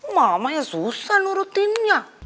mamanya susah nurutinnya